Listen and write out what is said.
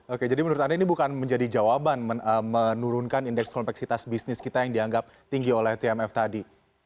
oke jadi menurut anda ini bukan menjadi jawaban menurunkan indeks kompleksitas bisnis kita yang dianggap tinggi oleh tmf tadi